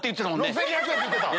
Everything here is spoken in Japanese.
６２００円って言うてた。